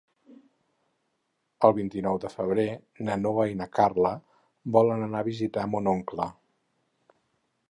El vint-i-nou de febrer na Noa i na Carla volen anar a visitar mon oncle.